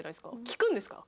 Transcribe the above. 聞くんですか？